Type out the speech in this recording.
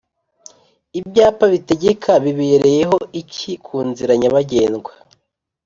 Ibyapa bitegeka bibereyeho iki kunzira nyabagendwa